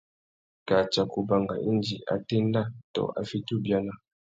Kā tsaka ubanga indi a téndá tô a fiti ubiana.